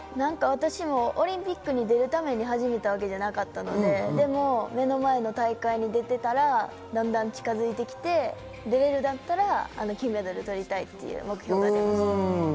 私もオリンピックに出るために始めたわけじゃなかったのででも目の前の大会に出てたら、だんだん近づいてきて出れるんだったら金メダルを取りたいという目標になりました。